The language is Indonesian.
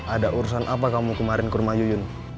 ada urusan apa kamu kemarin ke rumah yuyun